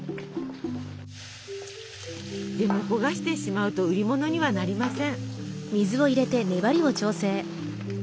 でも焦がしてしまうと売り物にはなりません。